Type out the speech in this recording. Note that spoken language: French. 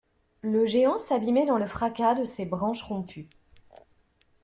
Le géant s'abîmait dans le fracas de ses branches rompues.